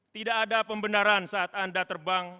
tidak ada pembenaran saat anda terbang